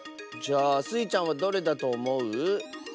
じゃあスイちゃんはどれだとおもう？